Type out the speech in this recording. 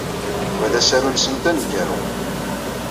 Wa d asaru-nsent aneggaru.